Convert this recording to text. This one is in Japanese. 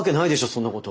そんなこと。